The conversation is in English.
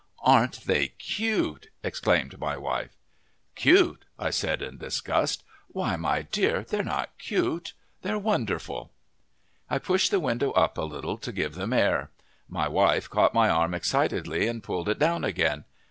"Aren't they cute!" exclaimed my wife. "Cute!" I said, in disgust. "Why, my dear, they're not cute they're wonderful!" I pushed the window up a little to give them air. My wife caught my arm excitedly and pulled it down again.